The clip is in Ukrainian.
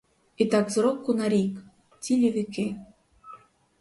І так з року на рік, — цілі віки.